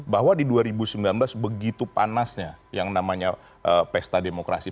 bahwa di dua ribu sembilan belas begitu panasnya yang namanya pesta demokrasi